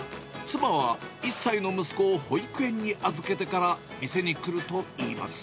妻は１歳の息子を保育園に預けてから店に来るといいます。